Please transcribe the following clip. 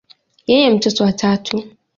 Yeye ni mtoto wa tatu.